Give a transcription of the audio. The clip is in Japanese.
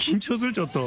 ちょっと。